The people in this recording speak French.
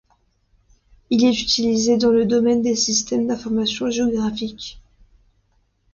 Il est utilisé dans le domaine des systèmes d'informations géographiques.